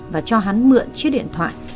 và cho hắn mượn chiếc điện thoại